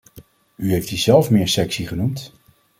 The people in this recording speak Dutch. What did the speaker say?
U heeft die zelf meer sexy genoemd.